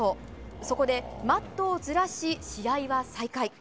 そこでマットをずらし試合は再開。